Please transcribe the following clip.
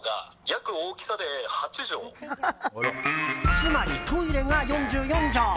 つまりトイレが４４畳。